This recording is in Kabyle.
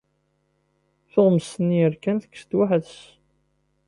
Tuɣmest-nni yerkan tekkes-d weḥd-s.